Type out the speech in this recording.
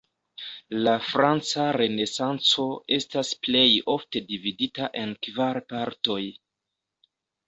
La franca Renesanco estas plej ofte dividita en kvar partoj.